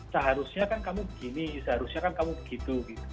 seharusnya kan kamu begini seharusnya kan kamu begitu